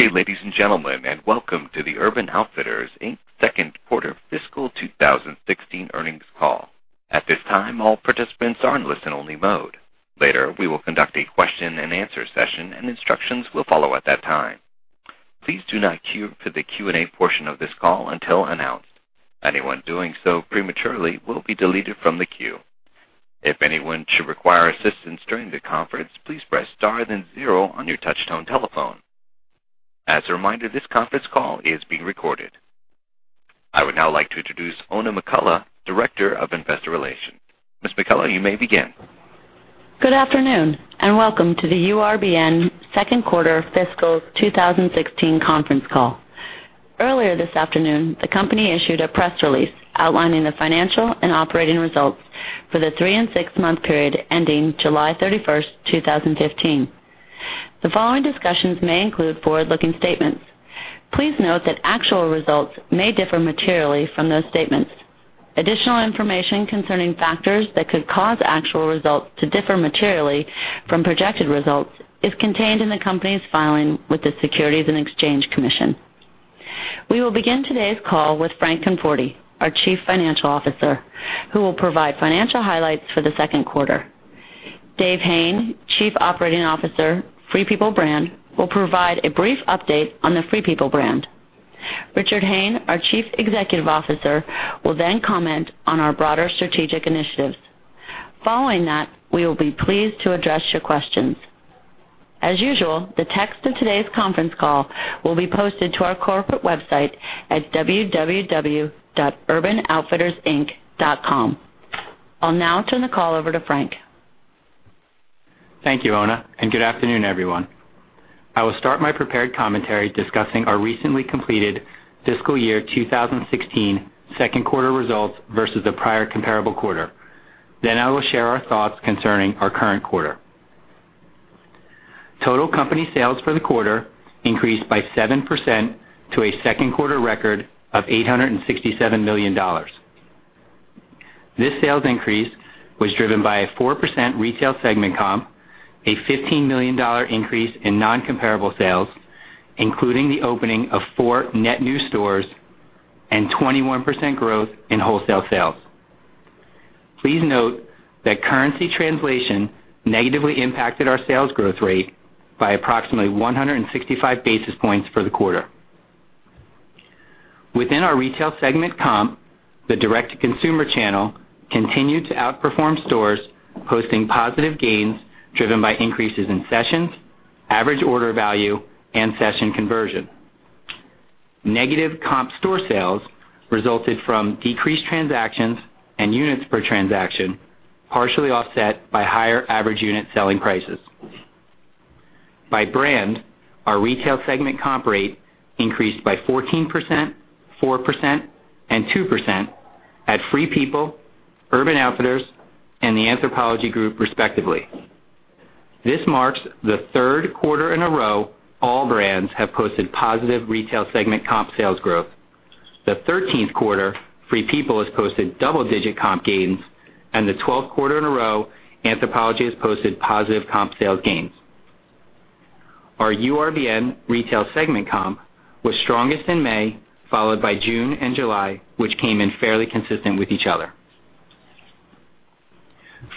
Good day, ladies and gentlemen, and welcome to the Urban Outfitters, Inc. second quarter fiscal 2016 earnings call. At this time, all participants are in listen-only mode. Later, we will conduct a question and answer session, and instructions will follow at that time. Please do not queue for the Q&A portion of this call until announced. Anyone doing so prematurely will be deleted from the queue. If anyone should require assistance during the conference, please press star then zero on your touch-tone telephone. As a reminder, this conference call is being recorded. I would now like to introduce Oona McCullough, Director of Investor Relations. Ms. McCullough, you may begin. Good afternoon, and welcome to the URBN second quarter fiscal 2016 conference call. Earlier this afternoon, the company issued a press release outlining the financial and operating results for the three and six-month period ending July 31st, 2015. The following discussions may include forward-looking statements. Please note that actual results may differ materially from those statements. Additional information concerning factors that could cause actual results to differ materially from projected results is contained in the company's filing with the Securities and Exchange Commission. We will begin today's call with Frank Conforti, our Chief Financial Officer, who will provide financial highlights for the second quarter. Dave Hayne, Chief Operating Officer, Free People brand, will provide a brief update on the Free People brand. Richard Hayne, our Chief Executive Officer, will then comment on our broader strategic initiatives. Following that, we will be pleased to address your questions. As usual, the text of today's conference call will be posted to our corporate website at www.urbanoutfittersinc.com. I'll now turn the call over to Frank. Thank you, Oona, and good afternoon, everyone. I will start my prepared commentary discussing our recently completed fiscal year 2016 second quarter results versus the prior comparable quarter. Then I will share our thoughts concerning our current quarter. Total company sales for the quarter increased by 7% to a second quarter record of $867 million. This sales increase was driven by a 4% retail segment comp, a $15 million increase in non-comparable sales, including the opening of four net new stores, and 21% growth in wholesale sales. Please note that currency translation negatively impacted our sales growth rate by approximately 165 basis points for the quarter. Within our retail segment comp, the direct-to-consumer channel continued to outperform stores, posting positive gains driven by increases in sessions, average order value, and session conversion. Negative comp store sales resulted from decreased transactions and units per transaction, partially offset by higher average unit selling prices. By brand, our retail segment comp rate increased by 14%, 4%, and 2% at Free People, Urban Outfitters, and the Anthropologie Group respectively. This marks the third quarter in a row all brands have posted positive retail segment comp sales growth. The 13th quarter Free People has posted double-digit comp gains, and the 12th quarter in a row Anthropologie has posted positive comp sales gains. Our URBN retail segment comp was strongest in May, followed by June and July, which came in fairly consistent with each other.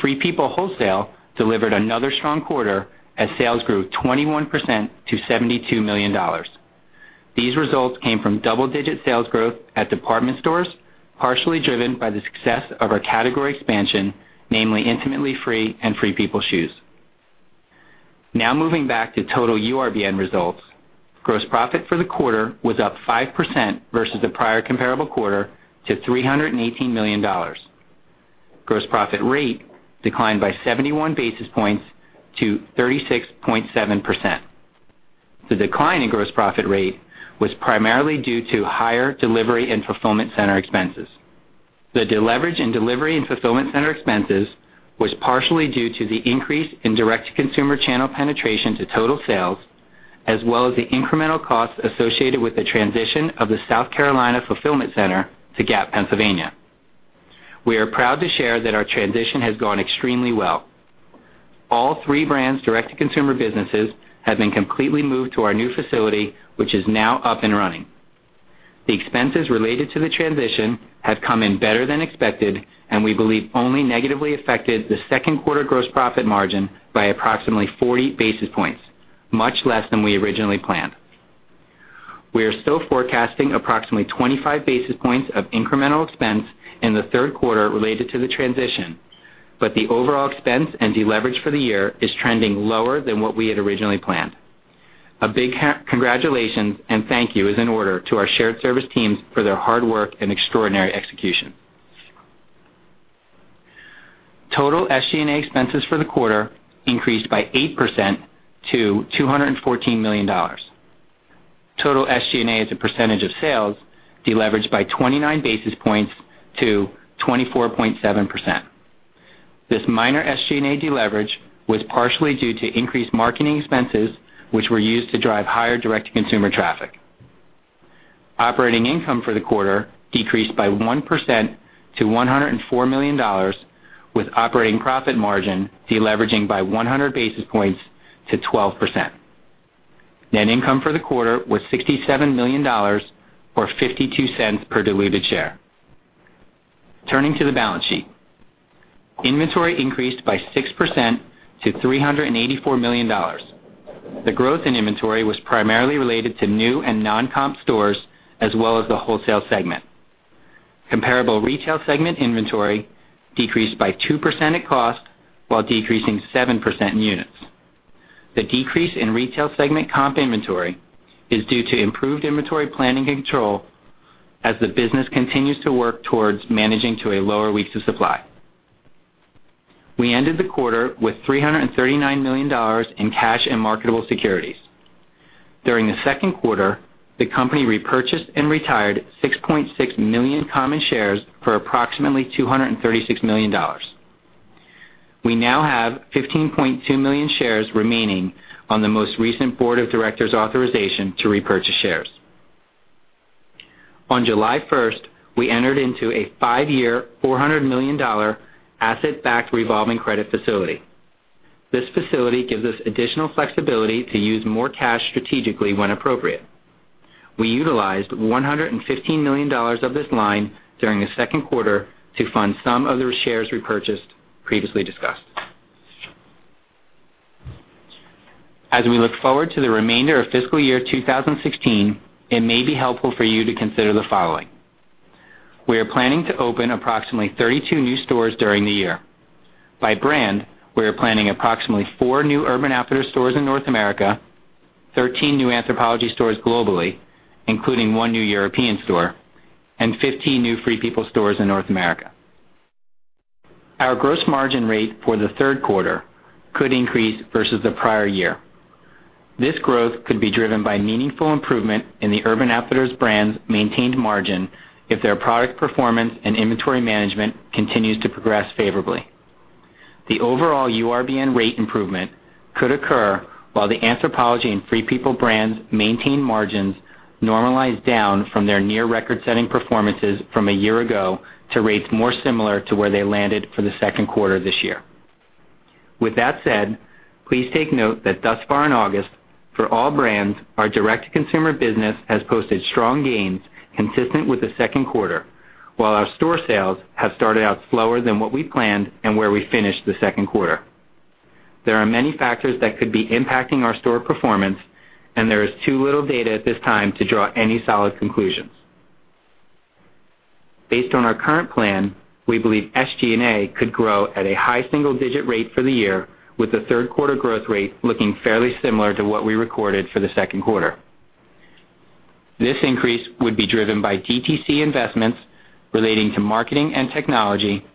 Free People wholesale delivered another strong quarter as sales grew 21% to $72 million. These results came from double-digit sales growth at department stores, partially driven by the success of our category expansion, namely Intimately Free and Free People Shoes. Moving back to total URBN results. Gross profit for the quarter was up 5% versus the prior comparable quarter to $318 million. Gross profit rate declined by 71 basis points to 36.7%. The decline in gross profit rate was primarily due to higher delivery and fulfillment center expenses. The deleverage in delivery and fulfillment center expenses was partially due to the increase in direct-to-consumer channel penetration to total sales, as well as the incremental costs associated with the transition of the South Carolina fulfillment center to Gap, Pennsylvania. We are proud to share that our transition has gone extremely well. All three brands' direct-to-consumer businesses have been completely moved to our new facility, which is now up and running. The expenses related to the transition have come in better than expected, and we believe only negatively affected the second quarter gross profit margin by approximately 40 basis points. Much less than we originally planned. The overall expense and deleverage for the year is trending lower than what we had originally planned. We are still forecasting approximately 25 basis points of incremental expense in the third quarter related to the transition. A big congratulations and thank you is in order to our shared service teams for their hard work and extraordinary execution. Total SG&A expenses for the quarter increased by 8% to $214 million. Total SG&A as a percentage of sales deleveraged by 29 basis points to 24.7%. This minor SG&A deleverage was partially due to increased marketing expenses, which were used to drive higher direct-to-consumer traffic. Operating income for the quarter decreased by 1% to $104 million with operating profit margin deleveraging by 100 basis points to 12%. Net income for the quarter was $67 million, or $0.52 per diluted share. Turning to the balance sheet. Inventory increased by 6% to $384 million. The growth in inventory was primarily related to new and non-comp stores, as well as the wholesale segment. Comparable retail segment inventory decreased by 2% at cost, while decreasing 7% in units. The decrease in retail segment comp inventory is due to improved inventory planning control as the business continues to work towards managing to a lower weeks of supply. We ended the quarter with $339 million in cash and marketable securities. During the second quarter, the company repurchased and retired 6.6 million common shares for approximately $236 million. We now have 15.2 million shares remaining on the most recent board of directors' authorization to repurchase shares. On July 1st, we entered into a five-year, $400 million asset-backed revolving credit facility. This facility gives us additional flexibility to use more cash strategically when appropriate. We utilized $115 million of this line during the second quarter to fund some of the shares repurchased previously discussed. As we look forward to the remainder of fiscal year 2016, it may be helpful for you to consider the following. We are planning to open approximately 32 new stores during the year. By brand, we are planning approximately four new Urban Outfitters stores in North America, 13 new Anthropologie stores globally, including one new European store, and 15 new Free People stores in North America. Our gross margin rate for the third quarter could increase versus the prior year. This growth could be driven by meaningful improvement in the Urban Outfitters brand's maintained margin if their product performance and inventory management continues to progress favorably. The overall URBN rate improvement could occur while the Anthropologie and Free People brands maintain margins normalize down from their near record-setting performances from a year ago to rates more similar to where they landed for the second quarter this year. With that said, please take note that thus far in August, for all brands, our direct-to-consumer business has posted strong gains consistent with the second quarter, while our store sales have started out slower than what we planned and where we finished the second quarter. There are many factors that could be impacting our store performance, and there is too little data at this time to draw any solid conclusions. Based on our current plan, we believe SG&A could grow at a high single-digit rate for the year, with the third quarter growth rate looking fairly similar to what we recorded for the second quarter. This increase would be driven by DTC investments relating to marketing and technology,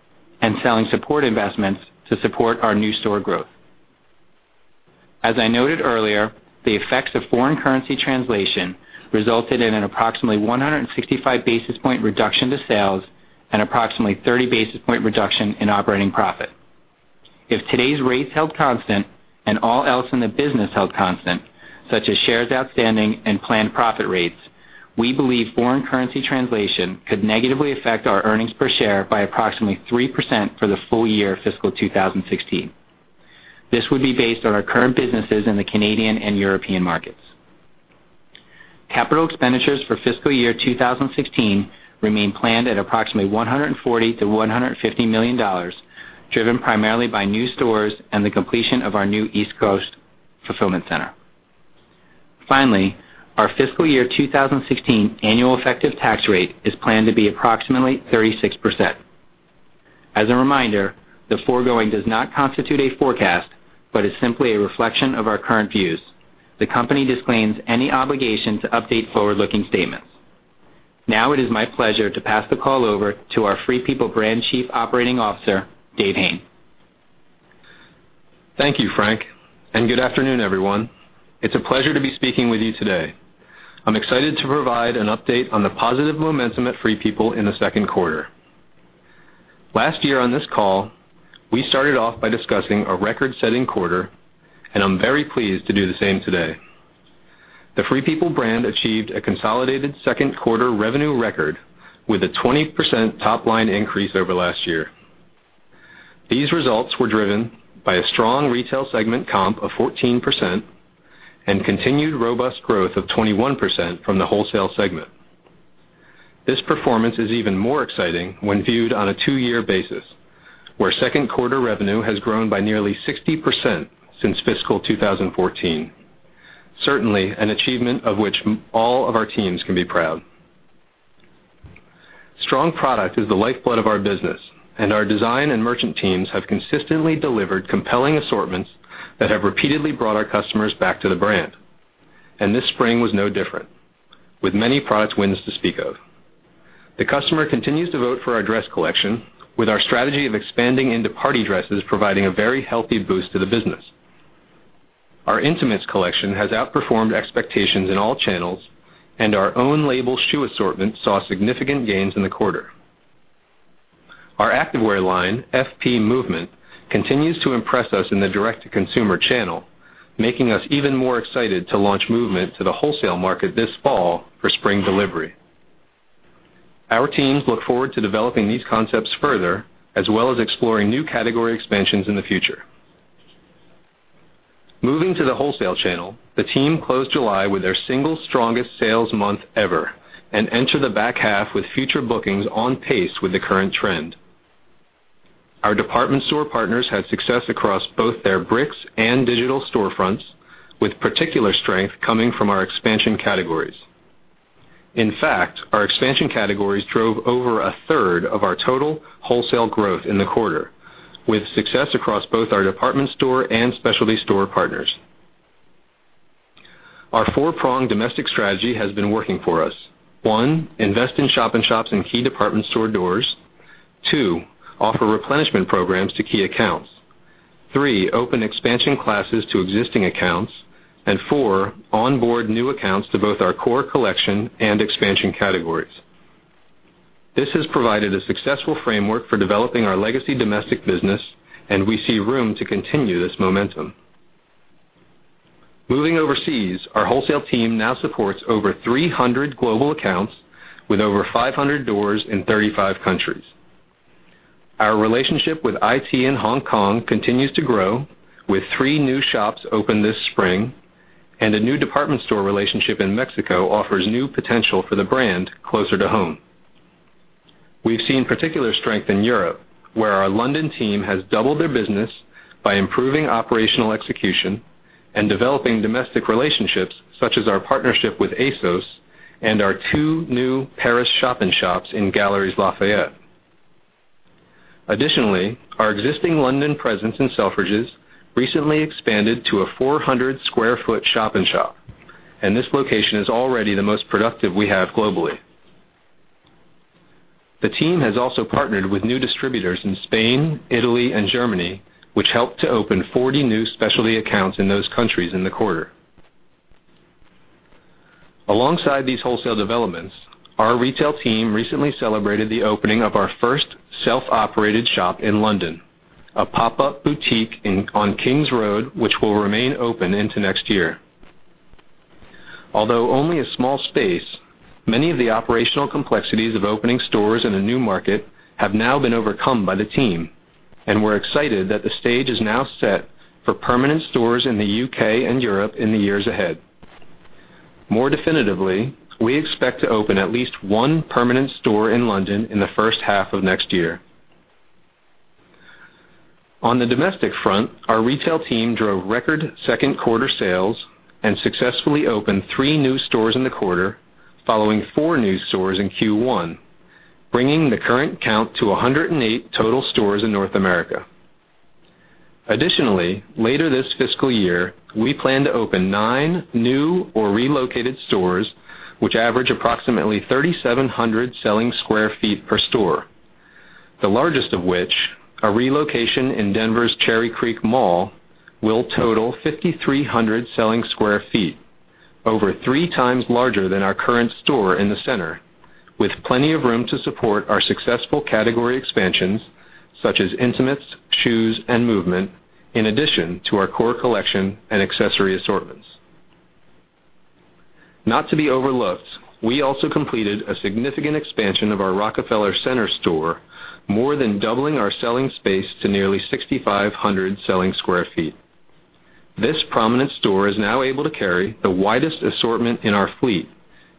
and selling support investments to support our new store growth. As I noted earlier, the effects of foreign currency translation resulted in an approximately 165 basis point reduction to sales and approximately 30 basis point reduction in operating profit. If today's rates held constant and all else in the business held constant, such as shares outstanding and planned profit rates, we believe foreign currency translation could negatively affect our earnings per share by approximately 3% for the full year fiscal 2016. This would be based on our current businesses in the Canadian and European markets. Capital expenditures for fiscal year 2016 remain planned at approximately $140 million-$150 million, driven primarily by new stores and the completion of our new East Coast fulfillment center. Finally, our fiscal year 2016 annual effective tax rate is planned to be approximately 36%. As a reminder, the foregoing does not constitute a forecast, but is simply a reflection of our current views. The company disclaims any obligation to update forward-looking statements. Now it is my pleasure to pass the call over to our Free People brand Chief Operating Officer, Dave Hayne. Thank you, Frank. Good afternoon, everyone. It's a pleasure to be speaking with you today. I'm excited to provide an update on the positive momentum at Free People in the second quarter. Last year on this call, we started off by discussing a record-setting quarter. I'm very pleased to do the same today. The Free People brand achieved a consolidated second quarter revenue record with a 20% top-line increase over last year. These results were driven by a strong retail segment comp of 14% and continued robust growth of 21% from the wholesale segment. This performance is even more exciting when viewed on a two-year basis, where second quarter revenue has grown by nearly 60% since fiscal 2014. Certainly, an achievement of which all of our teams can be proud. Strong product is the lifeblood of our business. Our design and merchant teams have consistently delivered compelling assortments that have repeatedly brought our customers back to the brand. This spring was no different, with many product wins to speak of. The customer continues to vote for our dress collection, with our strategy of expanding into party dresses providing a very healthy boost to the business. Our intimates collection has outperformed expectations in all channels. Our own label shoe assortment saw significant gains in the quarter. Our activewear line, FP Movement, continues to impress us in the direct-to-consumer channel, making us even more excited to launch Movement to the wholesale market this fall for spring delivery. Our teams look forward to developing these concepts further, as well as exploring new category expansions in the future. Moving to the wholesale channel, the team closed July with their single strongest sales month ever and enter the back half with future bookings on pace with the current trend. Our department store partners had success across both their bricks and digital storefronts, with particular strength coming from our expansion categories. In fact, our expansion categories drove over a third of our total wholesale growth in the quarter, with success across both our department store and specialty store partners. Our four-pronged domestic strategy has been working for us. One, invest in shop-in-shops in key department store doors. Two, offer replenishment programs to key accounts. Three, open expansion classes to existing accounts. Four, onboard new accounts to both our core collection and expansion categories. This has provided a successful framework for developing our legacy domestic business. We see room to continue this momentum. Moving overseas, our wholesale team now supports over 300 global accounts with over 500 doors in 35 countries. Our relationship with I.T. in Hong Kong continues to grow, with three new shops opened this spring. A new department store relationship in Mexico offers new potential for the brand closer to home. We've seen particular strength in Europe, where our London team has doubled their business by improving operational execution and developing domestic relationships, such as our partnership with ASOS and our two new Paris shop-in-shops in Galeries Lafayette. Additionally, our existing London presence in Selfridges recently expanded to a 400 sq ft shop-in-shop. This location is already the most productive we have globally. The team has also partnered with new distributors in Spain, Italy, and Germany, which helped to open 40 new specialty accounts in those countries in the quarter. Alongside these wholesale developments, our retail team recently celebrated the opening of our first self-operated shop in London, a pop-up boutique on King's Road, which will remain open into next year. Although only a small space, many of the operational complexities of opening stores in a new market have now been overcome by the team, and we're excited that the stage is now set for permanent stores in the U.K. and Europe in the years ahead. More definitively, we expect to open at least one permanent store in London in the first half of next year. On the domestic front, our retail team drove record second quarter sales and successfully opened three new stores in the quarter, following four new stores in Q1, bringing the current count to 108 total stores in North America. Additionally, later this fiscal year, we plan to open nine new or relocated stores, which average approximately 3,700 selling square feet per store. The largest of which, a relocation in Denver's Cherry Creek Mall, will total 5,300 selling square feet, over three times larger than our current store in the center, with plenty of room to support our successful category expansions, such as Intimately Free People, Free People Shoes, and FP Movement, in addition to our core collection and accessory assortments. Not to be overlooked, we also completed a significant expansion of our Rockefeller Center store, more than doubling our selling space to nearly 6,500 selling square feet. This prominent store is now able to carry the widest assortment in our fleet,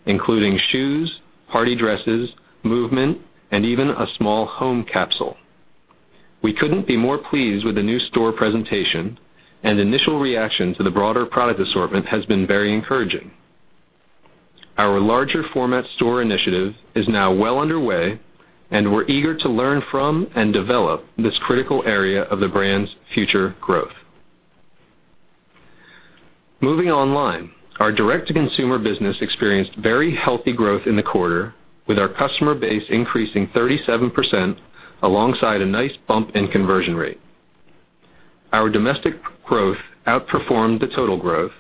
including Free People Shoes, party dresses, FP Movement, and even a small home capsule. We couldn't be more pleased with the new store presentation and initial reaction to the broader product assortment has been very encouraging. Our larger format store initiative is now well underway and we're eager to learn from and develop this critical area of the brand's future growth. Moving online, our direct-to-consumer business experienced very healthy growth in the quarter with our customer base increasing 37% alongside a nice bump in conversion rate. Our domestic growth outperformed the total growth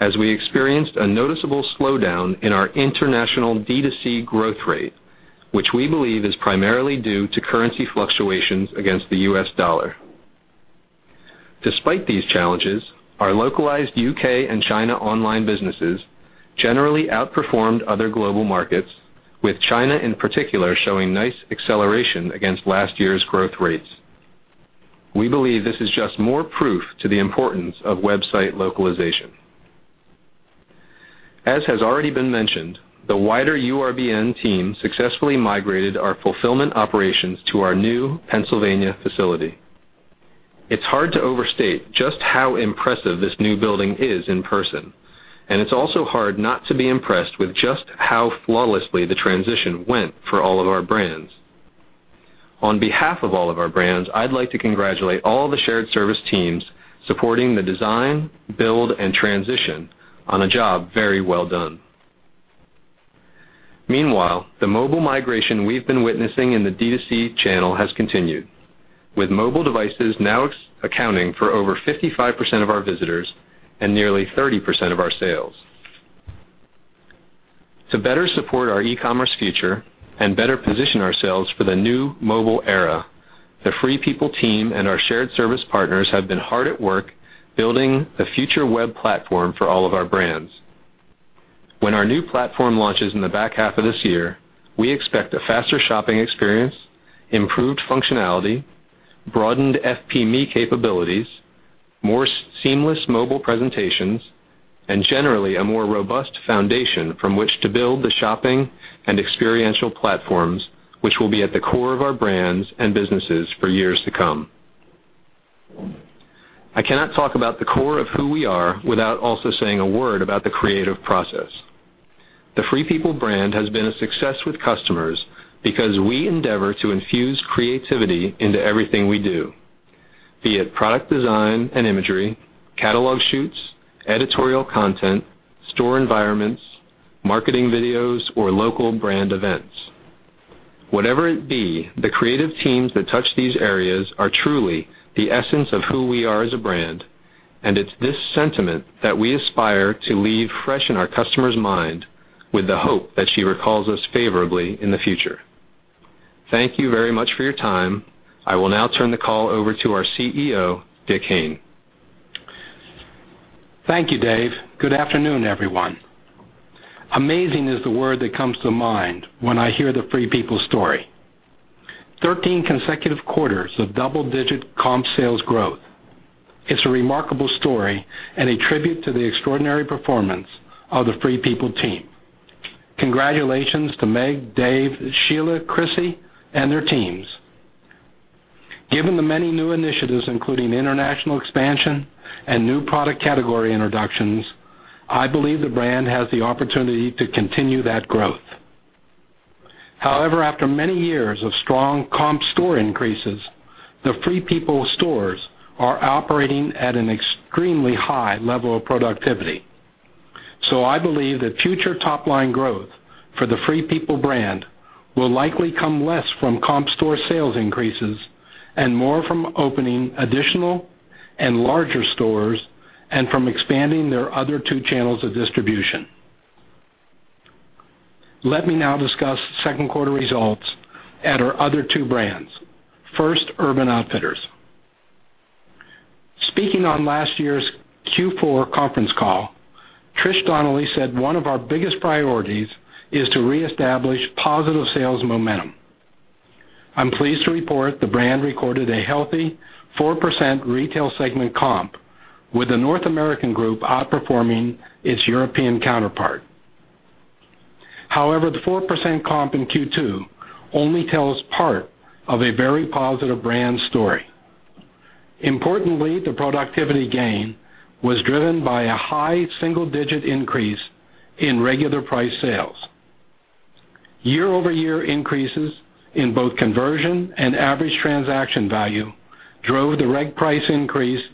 as we experienced a noticeable slowdown in our international DTC growth rate, which we believe is primarily due to currency fluctuations against the U.S. dollar. Despite these challenges, our localized U.K. and China online businesses generally outperformed other global markets, with China in particular showing nice acceleration against last year's growth rates. We believe this is just more proof to the importance of website localization. As has already been mentioned, the wider URBN team successfully migrated our fulfillment operations to our new Pennsylvania facility. It's hard to overstate just how impressive this new building is in person, and it's also hard not to be impressed with just how flawlessly the transition went for all of our brands. On behalf of all of our brands, I'd like to congratulate all the shared service teams supporting the design, build, and transition on a job very well done. Meanwhile, the mobile migration we've been witnessing in the DTC channel has continued, with mobile devices now accounting for over 55% of our visitors and nearly 30% of our sales. To better support our e-commerce future and better position ourselves for the new mobile era, the Free People team and our shared service partners have been hard at work building a future web platform for all of our brands. When our new platform launches in the back half of this year, we expect a faster shopping experience, improved functionality, broadened FP Me capabilities, more seamless mobile presentations, and generally a more robust foundation from which to build the shopping and experiential platforms, which will be at the core of our brands and businesses for years to come. I cannot talk about the core of who we are without also saying a word about the creative process. The Free People brand has been a success with customers because we endeavor to infuse creativity into everything we do, be it product design and imagery, catalog shoots, editorial content, store environments, marketing videos, or local brand events. Whatever it be, the creative teams that touch these areas are truly the essence of who we are as a brand, and it's this sentiment that we aspire to leave fresh in our customer's mind with the hope that she recalls us favorably in the future. Thank you very much for your time. I will now turn the call over to our CEO, Dick Hayne. Thank you, Dave. Good afternoon, everyone. Amazing is the word that comes to mind when I hear the Free People story. 13 consecutive quarters of double-digit comp sales growth. It's a remarkable story and a tribute to the extraordinary performance of the Free People team. Congratulations to Meg, Dave, Sheila, Chrissy, and their teams. Given the many new initiatives, including international expansion and new product category introductions, I believe the brand has the opportunity to continue that growth. However, after many years of strong comp store increases, the Free People stores are operating at an extremely high level of productivity. I believe that future top-line growth for the Free People brand will likely come less from comp store sales increases and more from opening additional and larger stores and from expanding their other two channels of distribution. Let me now discuss second quarter results at our other two brands. First, Urban Outfitters. Speaking on last year's Q4 conference call, Trish Donnelly said one of our biggest priorities is to reestablish positive sales momentum. I'm pleased to report the brand recorded a healthy 4% retail segment comp with the North American group outperforming its European counterpart. However, the 4% comp in Q2 only tells part of a very positive brand story. Importantly, the productivity gain was driven by a high single-digit increase in regular price sales. Year-over-year increases in both conversion and average transaction value drove the reg price increase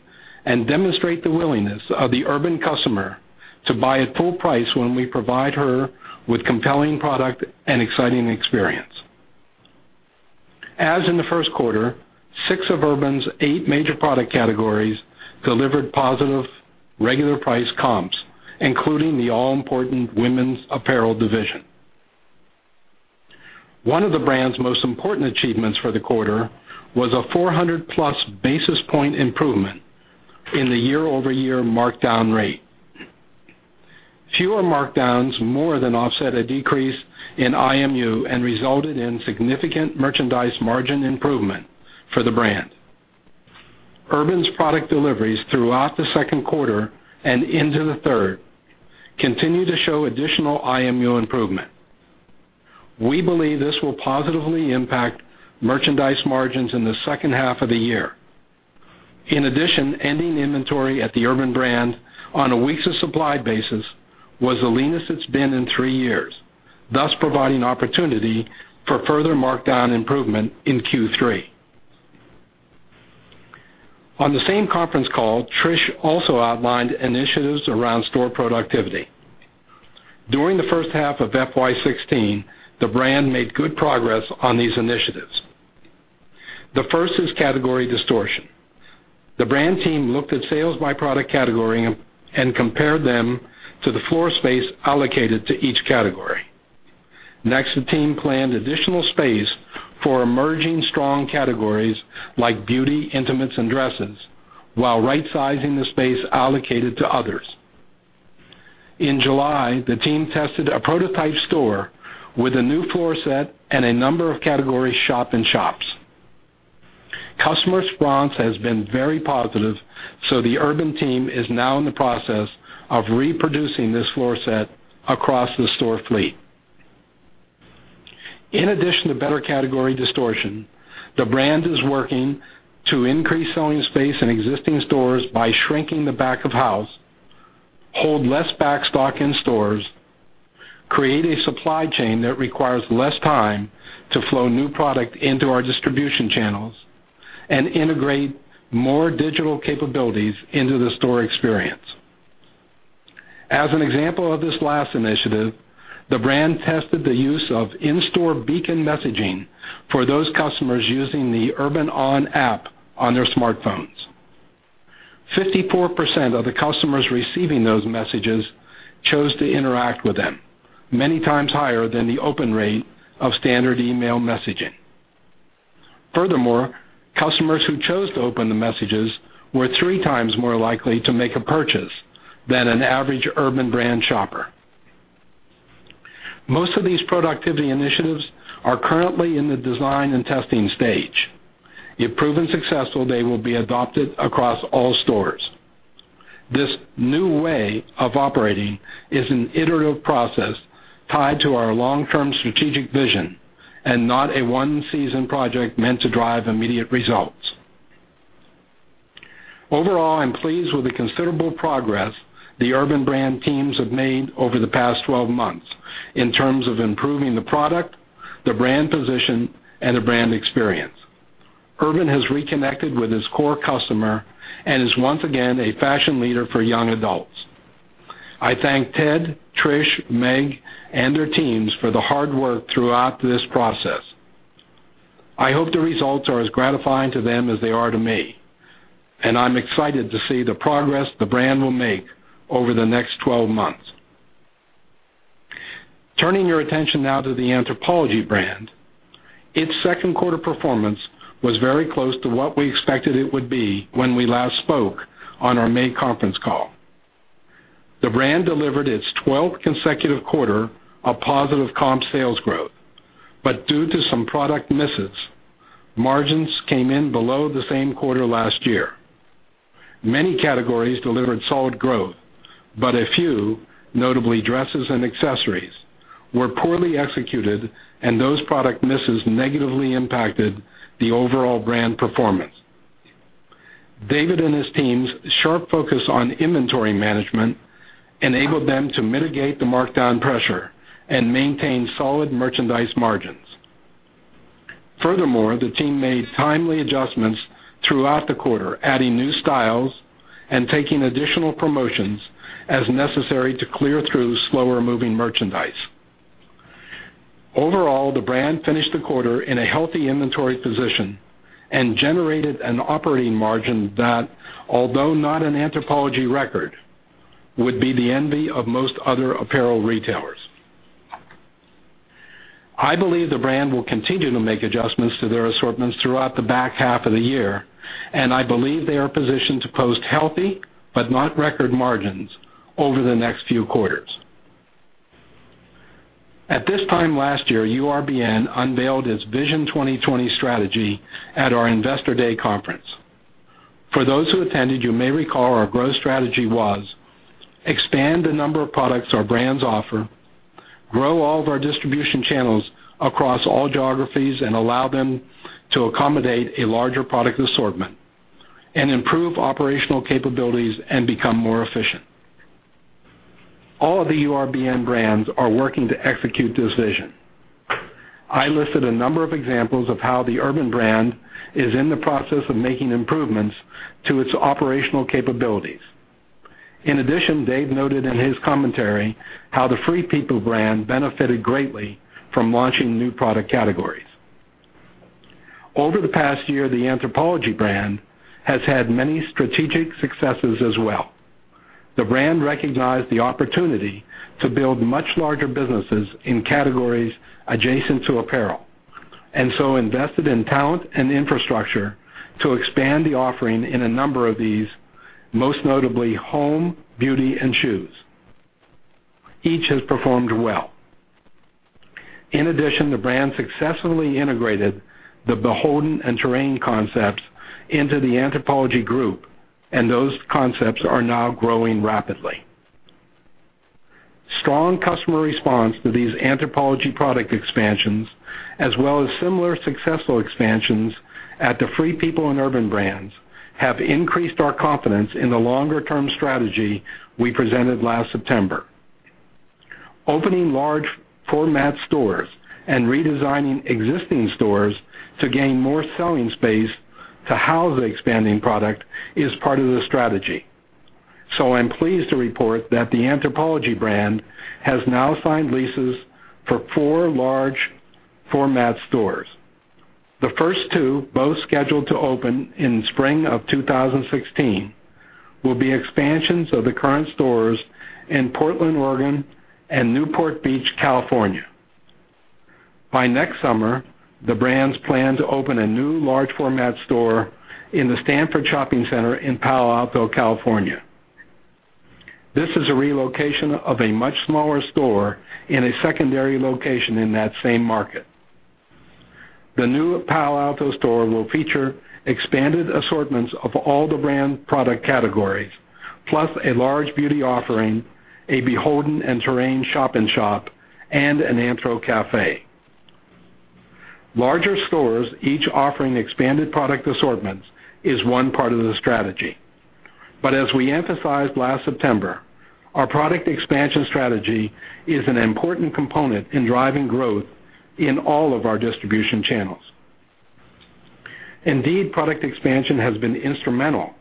and demonstrate the willingness of the Urban customer to buy at full price when we provide her with compelling product and exciting experience. As in the first quarter, six of Urban's eight major product categories delivered positive regular price comps, including the all-important women's apparel division. One of the brand's most important achievements for the quarter was a 400-plus basis point improvement in the year-over-year markdown rate. Fewer markdowns more than offset a decrease in IMU and resulted in significant merchandise margin improvement for the brand. Urban's product deliveries throughout the second quarter and into the third continue to show additional IMU improvement. We believe this will positively impact merchandise margins in the second half of the year. In addition, ending inventory at the Urban brand on a weeks of supply basis was the leanest it's been in three years, thus providing opportunity for further markdown improvement in Q3. On the same conference call, Trish also outlined initiatives around store productivity. During the first half of FY 2016, the brand made good progress on these initiatives. The first is category distortion. The brand team looked at sales by product category and compared them to the floor space allocated to each category. The team planned additional space for emerging strong categories like beauty, intimates, and dresses, while right-sizing the space allocated to others. In July, the team tested a prototype store with a new floor set and a number of category shop in shops. Customer response has been very positive, so the Urban team is now in the process of reproducing this floor set across the store fleet. In addition to better category distortion, the brand is working to increase selling space in existing stores by shrinking the back-of-house, hold less back stock in stores, create a supply chain that requires less time to flow new product into our distribution channels, and integrate more digital capabilities into the store experience. As an example of this last initiative, the brand tested the use of in-store beacon messaging for those customers using the Urban On app on their smartphones. 54% of the customers receiving those messages chose to interact with them, many times higher than the open rate of standard email messaging. Customers who chose to open the messages were three times more likely to make a purchase than an average Urban brand shopper. Most of these productivity initiatives are currently in the design and testing stage. If proven successful, they will be adopted across all stores. This new way of operating is an iterative process tied to our long-term strategic vision and not a one-season project meant to drive immediate results. Overall, I'm pleased with the considerable progress the Urban brand teams have made over the past 12 months in terms of improving the product, the brand position, and the brand experience. Urban has reconnected with its core customer and is once again a fashion leader for young adults. I thank Ted, Trish, Meg, and their teams for the hard work throughout this process. I hope the results are as gratifying to them as they are to me, and I'm excited to see the progress the brand will make over the next 12 months. Turning your attention now to the Anthropologie brand. Its second quarter performance was very close to what we expected it would be when we last spoke on our May conference call. The brand delivered its 12th consecutive quarter of positive comp sales growth, but due to some product misses, margins came in below the same quarter last year. Many categories delivered solid growth, but a few, notably dresses and accessories, were poorly executed, and those product misses negatively impacted the overall brand performance. David and his team's sharp focus on inventory management enabled them to mitigate the markdown pressure and maintain solid merchandise margins. Furthermore, the team made timely adjustments throughout the quarter, adding new styles and taking additional promotions as necessary to clear through slower-moving merchandise. Overall, the brand finished the quarter in a healthy inventory position and generated an operating margin that, although not an Anthropologie record, would be the envy of most other apparel retailers. I believe the brand will continue to make adjustments to their assortments throughout the back half of the year, and I believe they are positioned to post healthy but not record margins over the next few quarters. At this time last year, URBN unveiled its Vision 2020 strategy at our Investor Day conference. For those who attended, you may recall our growth strategy was expand the number of products our brands offer, grow all of our distribution channels across all geographies, and allow them to accommodate a larger product assortment and improve operational capabilities and become more efficient. All of the URBN brands are working to execute this vision. I listed a number of examples of how the Urban brand is in the process of making improvements to its operational capabilities. In addition, Dave noted in his commentary how the Free People brand benefited greatly from launching new product categories. Over the past year, the Anthropologie brand has had many strategic successes as well. The brand recognized the opportunity to build much larger businesses in categories adjacent to apparel and invested in talent and infrastructure to expand the offering in a number of these, most notably home, beauty, and shoes. Each has performed well. In addition, the brand successfully integrated the BHLDN and Terrain concepts into the Anthropologie Group, and those concepts are now growing rapidly. Strong customer response to these Anthropologie product expansions, as well as similar successful expansions at the Free People and Urban brands, have increased our confidence in the longer-term strategy we presented last September. Opening large format stores and redesigning existing stores to gain more selling space to house the expanding product is part of the strategy. I'm pleased to report that the Anthropologie brand has now signed leases for four large format stores. The first two, both scheduled to open in spring of 2016, will be expansions of the current stores in Portland, Oregon, and Newport Beach, California. By next summer, the brands plan to open a new large format store in the Stanford Shopping Center in Palo Alto, California. This is a relocation of a much smaller store in a secondary location in that same market. The new Palo Alto store will feature expanded assortments of all the brand product categories, plus a large beauty offering, a BHLDN and Terrain shop-in-shop, and an Anthro Cafe. Larger stores, each offering expanded product assortments, is one part of the strategy. As we emphasized last September, our product expansion strategy is an important component in driving growth in all of our distribution channels. Indeed, product expansion has been instrumental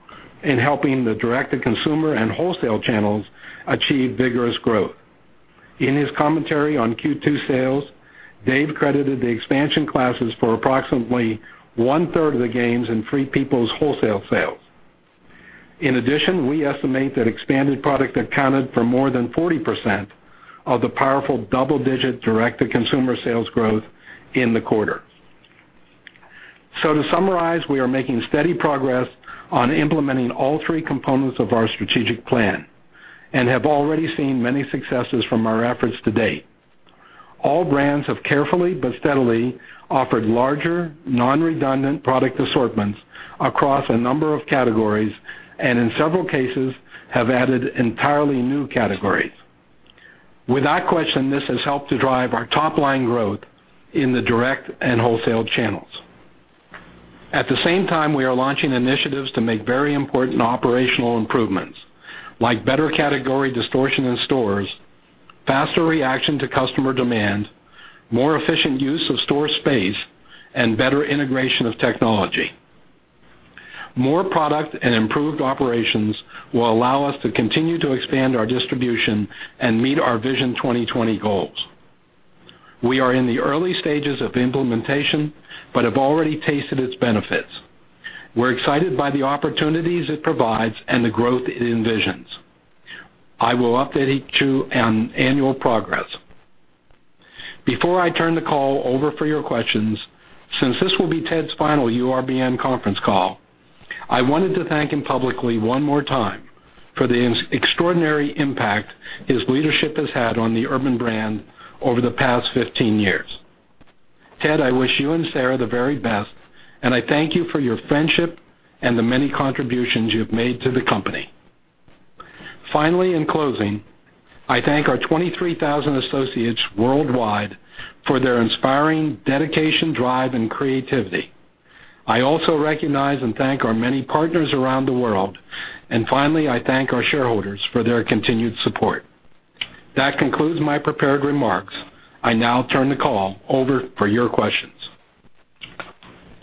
in helping the direct-to-consumer and wholesale channels achieve vigorous growth. In his commentary on Q2 sales, Dave credited the expansion classes for approximately one-third of the gains in Free People's wholesale sales. In addition, we estimate that expanded product accounted for more than 40% of the powerful double-digit direct-to-consumer sales growth in the quarter. To summarize, we are making steady progress on implementing all three components of our strategic plan and have already seen many successes from our efforts to date. All brands have carefully but steadily offered larger, non-redundant product assortments across a number of categories, and in several cases, have added entirely new categories. Without question, this has helped to drive our top-line growth in the direct and wholesale channels. At the same time, we are launching initiatives to make very important operational improvements, like better category distortion in stores, faster reaction to customer demand, more efficient use of store space, and better integration of technology. More product and improved operations will allow us to continue to expand our distribution and meet our Vision 2020 goals. We are in the early stages of implementation but have already tasted its benefits. We're excited by the opportunities it provides and the growth it envisions. I will update you on annual progress. Before I turn the call over for your questions, since this will be Ted's final URBN conference call, I wanted to thank him publicly one more time for the extraordinary impact his leadership has had on the Urban brand over the past 15 years. Ted, I wish you and Sarah the very best, and I thank you for your friendship and the many contributions you've made to the company. In closing, I thank our 23,000 associates worldwide for their inspiring dedication, drive, and creativity. I also recognize and thank our many partners around the world. Finally, I thank our shareholders for their continued support. That concludes my prepared remarks. I now turn the call over for your questions.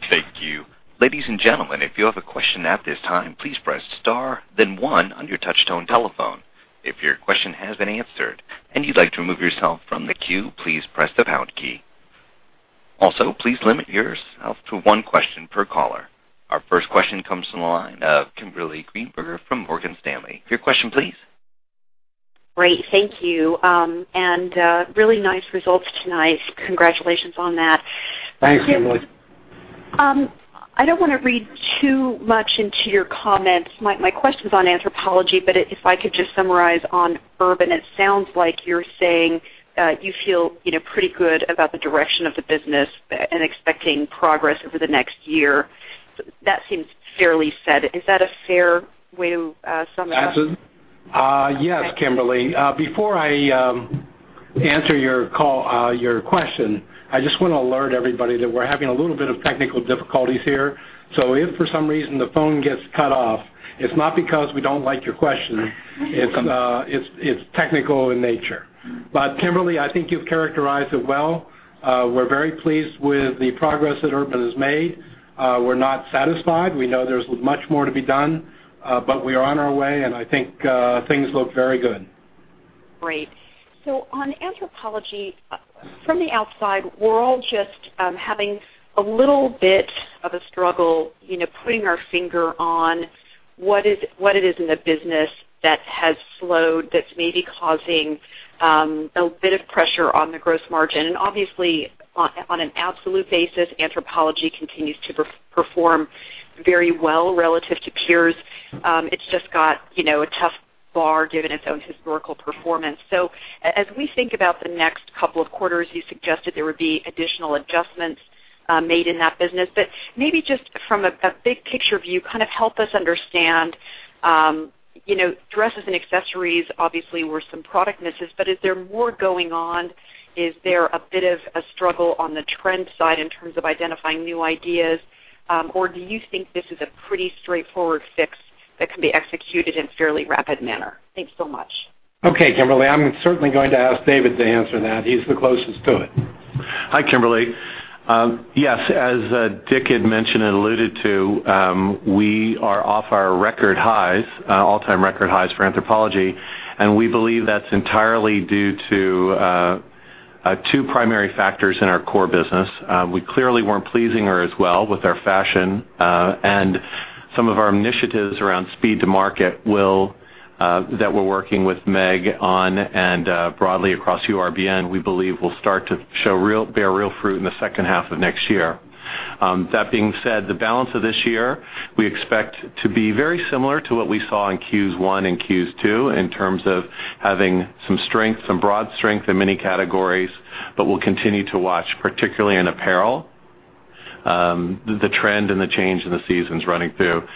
Thank you. Ladies and gentlemen, if you have a question at this time, please press star then one on your touch-tone telephone. If your question has been answered and you'd like to remove yourself from the queue, please press the pound key. Please limit yourself to one question per caller. Our first question comes from the line of Kimberly Greenberger from Morgan Stanley. Your question, please. Great. Thank you. Really nice results tonight. Congratulations on that. Thanks, Kimberly. I don't want to read too much into your comments. My question's on Anthropologie, but if I could just summarize on Urban. It sounds like you're saying that you feel pretty good about the direction of the business and expecting progress over the next year. That seems fairly said. Is that a fair way to sum it up? Yes, Kimberly. Before I answer your question, I just want to alert everybody that we're having a little bit of technical difficulties here. If for some reason the phone gets cut off, it's not because we don't like your question. It's technical in nature. Kimberly, I think you've characterized it well. We're very pleased with the progress that Urban has made. We're not satisfied. We know there's much more to be done. We are on our way, and I think things look very good. Great. On Anthropologie, from the outside, we're all just having a little bit of a struggle putting our finger on what it is in the business that has slowed, that's maybe causing a bit of pressure on the gross margin. Obviously, on an absolute basis, Anthropologie continues to perform very well relative to peers. It's just got a tough bar, given its own historical performance. As we think about the next couple of quarters, you suggested there would be additional adjustments made in that business. Maybe just from a big-picture view, help us understand. Dresses and accessories obviously were some product misses, but is there more going on? Is there a bit of a struggle on the trend side in terms of identifying new ideas, or do you think this is a pretty straightforward fix that can be executed in fairly rapid manner? Thanks so much. Okay, Kimberly, I'm certainly going to ask David to answer that. He's the closest to it. Hi, Kimberly. Yes, as Dick had mentioned and alluded to, we are off our record highs, all-time record highs for Anthropologie, and we believe that's entirely due to two primary factors in our core business. We clearly weren't pleasing her as well with our fashion. Some of our initiatives around speed to market that we're working with Meg on and broadly across URBN, we believe will start to bear real fruit in the second half of next year. That being said, the balance of this year, we expect to be very similar to what we saw in Q1 and Q2 in terms of having some strength, some broad strength in many categories. We'll continue to watch, particularly in apparel, the trend and the change in the seasons running through.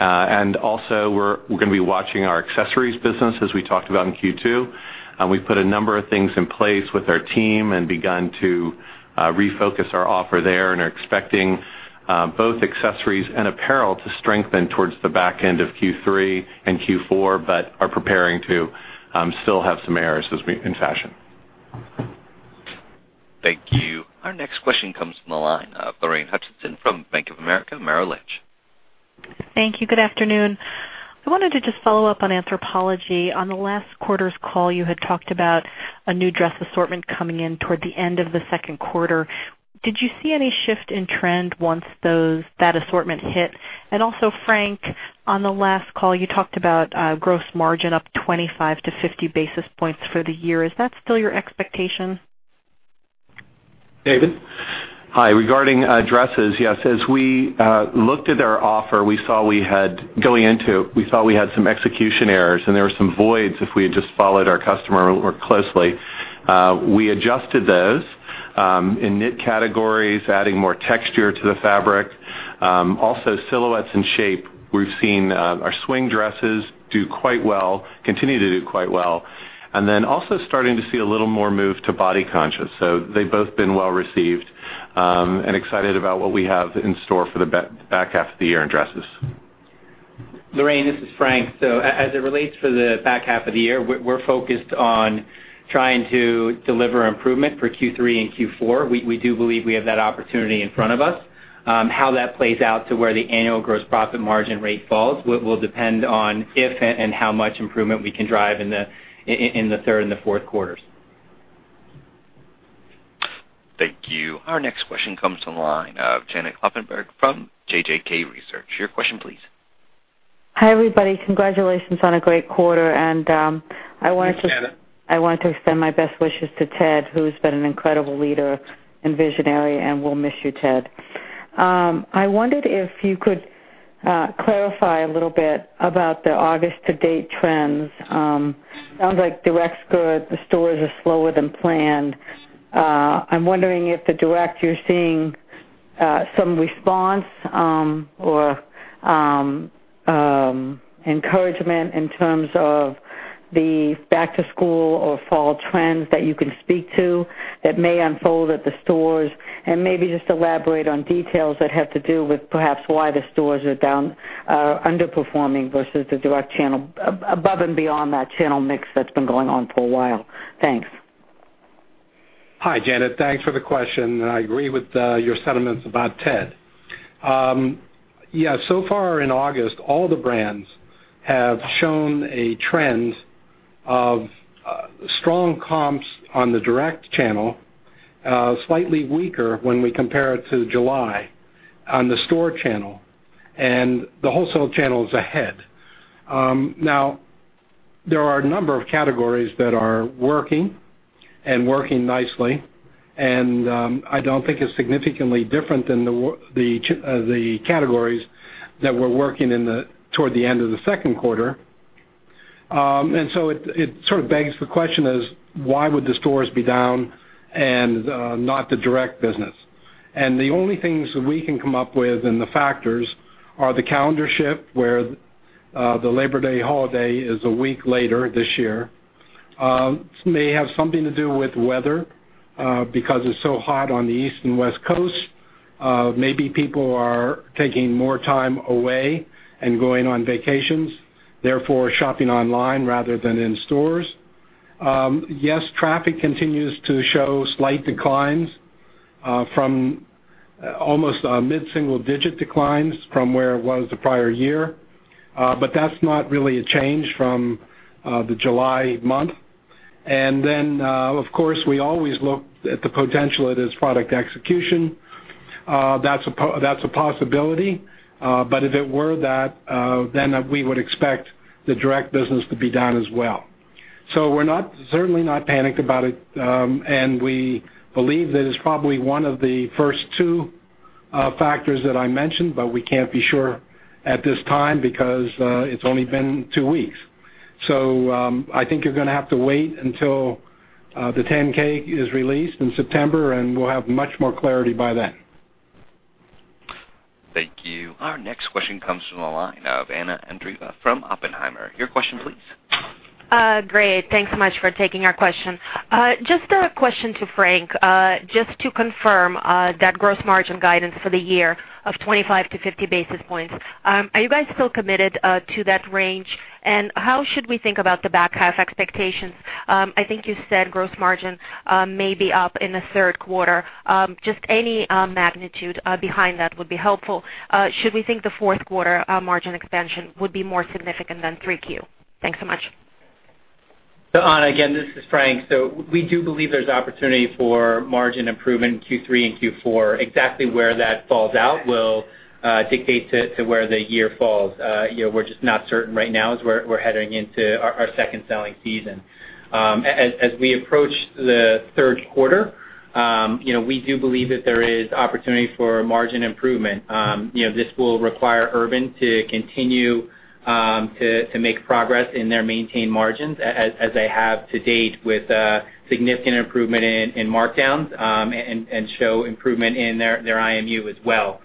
Also, we're going to be watching our accessories business as we talked about in Q2. We've put a number of things in place with our team and begun to refocus our offer there. Are expecting both accessories and apparel to strengthen towards the back end of Q3 and Q4, are preparing to still have some errors in fashion. Thank you. Our next question comes from the line of Lorraine Hutchinson from Bank of America Merrill Lynch. Thank you. Good afternoon. I wanted to just follow up on Anthropologie. On the last quarter's call, you had talked about a new dress assortment coming in toward the end of the second quarter. Did you see any shift in trend once that assortment hit? Frank, on the last call, you talked about gross margin up 25 to 50 basis points for the year. Is that still your expectation? David? Hi. Regarding dresses, yes. As we looked at our offer, going into it, we saw we had some execution errors, and there were some voids if we had just followed our customer more closely. We adjusted those in knit categories, adding more texture to the fabric. Silhouettes and shape. We've seen our swing dresses continue to do quite well. Starting to see a little more move to body conscious. They've both been well received, and excited about what we have in store for the back half of the year in dresses. Lorraine, this is Frank. As it relates for the back half of the year, we're focused on trying to deliver improvement for Q3 and Q4. We do believe we have that opportunity in front of us. How that plays out to where the annual gross profit margin rate falls will depend on if and how much improvement we can drive in the third and the fourth quarters. Thank you. Our next question comes to the line of Janet Kloppenburg from JJK Research. Your question please. Hi, everybody. Congratulations on a great quarter. Thanks, Janet. I want to extend my best wishes to Ted, who's been an incredible leader and visionary, and we'll miss you, Ted. I wondered if you could clarify a little bit about the August to date trends. Sounds like direct's good. The stores are slower than planned. I'm wondering if the direct you're seeing some response, or encouragement in terms of the back to school or fall trends that you can speak to that may unfold at the stores. Maybe just elaborate on details that have to do with perhaps why the stores are underperforming versus the direct channel, above and beyond that channel mix that's been going on for a while. Thanks. Hi, Janet. Thanks for the question, and I agree with your sentiments about Ted. So far in August, all the brands have shown a trend of strong comps on the direct channel, slightly weaker when we compare it to July on the store channel. The wholesale channel is ahead. There are a number of categories that are working, and working nicely, and I don't think it's significantly different than the categories that were working toward the end of the second quarter. It sort of begs the question is, why would the stores be down and not the direct business? The only things that we can come up with and the factors are the calendar shift, where the Labor Day holiday is a week later this year. This may have something to do with weather, because it's so hot on the East and West Coast. Maybe people are taking more time away and going on vacations, therefore shopping online rather than in stores. Traffic continues to show slight declines from almost mid-single-digit declines from where it was the prior year. That's not really a change from the July month. Of course, we always look at the potential it is product execution. That's a possibility, but if it were that, then we would expect the direct business to be down as well. We're certainly not panicked about it. We believe that it's probably one of the first two factors that I mentioned, but we can't be sure at this time because it's only been two weeks. I think you're going to have to wait until the 10-K is released in September, and we'll have much more clarity by then. Thank you. Our next question comes from the line of Anna Andreeva from Oppenheimer. Your question, please. Great. Thanks so much for taking our question. Just a question to Frank. Just to confirm that gross margin guidance for the year of 25-50 basis points. Are you guys still committed to that range, and how should we think about the back half expectations? I think you said gross margin may be up in the third quarter. Just any magnitude behind that would be helpful. Should we think the fourth quarter margin expansion would be more significant than 3Q? Thanks so much. Anna, again, this is Frank. We do believe there's opportunity for margin improvement in Q3 and Q4. Exactly where that falls out will dictate to where the year falls. We're just not certain right now as we're heading into our second selling season. As we approach the third quarter, we do believe that there is opportunity for margin improvement. This will require Urban to continue to make progress in their maintained margins as they have to date with significant improvement in markdowns, and show improvement in their IMU as well.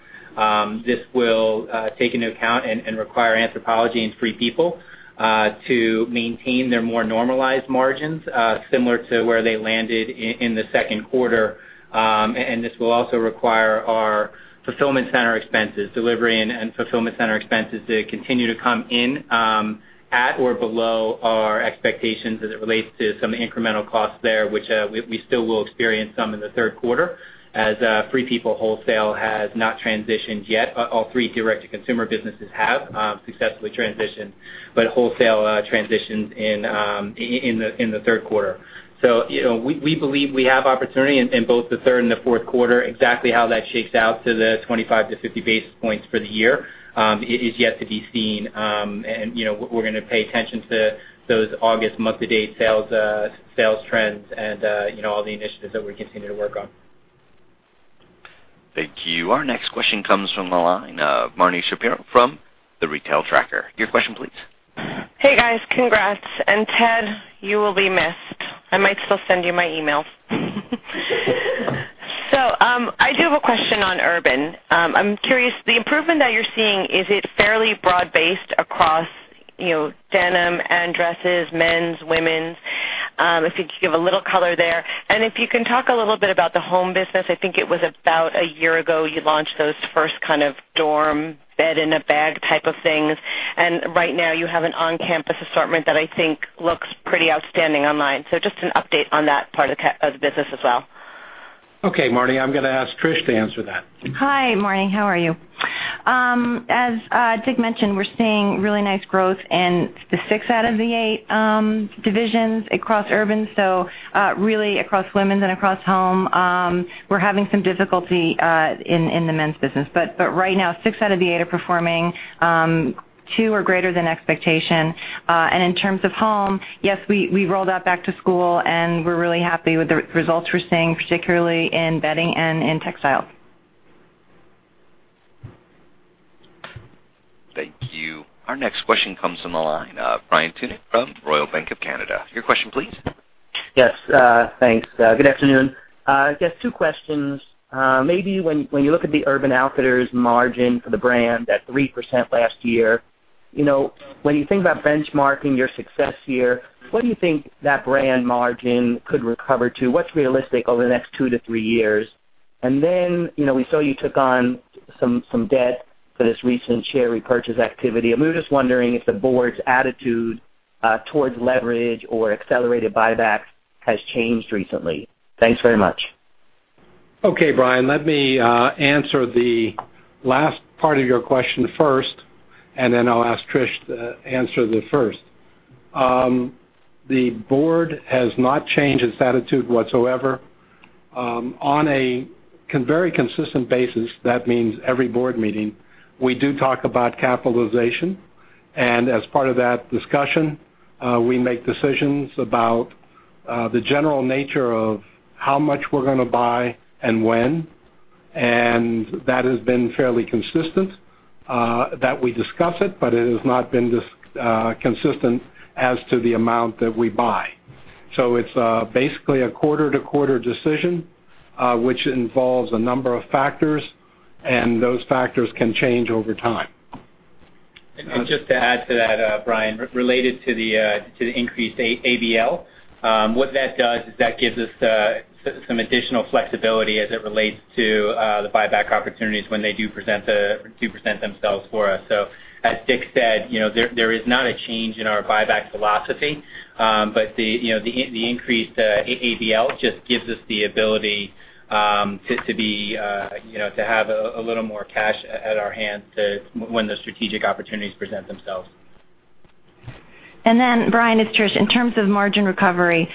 This will take into account and require Anthropologie and Free People to maintain their more normalized margins, similar to where they landed in the second quarter. This will also require our fulfillment center expenses, delivery and fulfillment center expenses to continue to come in at or below our expectations as it relates to some incremental costs there, which we still will experience some in the third quarter as Free People wholesale has not transitioned yet. All three direct-to-consumer businesses have successfully transitioned, but wholesale transitions in the third quarter. We believe we have opportunity in both the third and the fourth quarter. Exactly how that shakes out to the 25-50 basis points for the year, is yet to be seen. We're going to pay attention to those August month-to-date sales trends and all the initiatives that we're continuing to work on. Thank you. Our next question comes from the line of Marni Shapiro from The Retail Tracker. Your question, please. Hey, guys. Congrats. Ted, you will be missed. I might still send you my emails. I do have a question on Urban. I'm curious, the improvement that you're seeing, is it fairly broad-based across denim and dresses, men's, women's? If you could give a little color there. If you can talk a little bit about the home business. I think it was about a year ago, you launched those first dorm bed-in-a-bag type of things. Right now you have an on-campus assortment that I think looks pretty outstanding online. Just an update on that part of the business as well. Okay, Marni. I'm going to ask Trish to answer that. Hi, Marni. How are you? As Dick mentioned, we're seeing really nice growth in the six out of the eight divisions across Urban. Really across women's and across home. We're having some difficulty in the men's business. Right now, six out of the eight are performing. Two are greater than expectation. In terms of home, yes, we rolled out back to school, and we're really happy with the results we're seeing, particularly in bedding and in textiles. Thank you. Our next question comes from the line of Brian Tunick from Royal Bank of Canada. Your question, please. Yes. Thanks. Good afternoon. Just two questions. Maybe when you look at the Urban Outfitters margin for the brand at 3% last year, when you think about benchmarking your success here, what do you think that brand margin could recover to? What's realistic over the next two to three years? We saw you took on some debt for this recent share repurchase activity, and we were just wondering if the board's attitude towards leverage or accelerated buybacks has changed recently. Thanks very much. Okay, Brian, let me answer the last part of your question first. Then I'll ask Trish to answer the first. The board has not changed its attitude whatsoever. On a very consistent basis, that means every board meeting, we do talk about capitalization, and as part of that discussion, we make decisions about the general nature of how much we're going to buy and when, and that has been fairly consistent that we discuss it, but it has not been consistent as to the amount that we buy. It's basically a quarter-to-quarter decision, which involves a number of factors, and those factors can change over time. Just to add to that, Brian, related to the increased ABL. What that does is that gives us some additional flexibility as it relates to the buyback opportunities when they do present themselves for us. As Dick said, there is not a change in our buyback philosophy. The increased ABL just gives us the ability to have a little more cash at our hand when the strategic opportunities present themselves. Brian, it's Trish. In terms of margin recovery,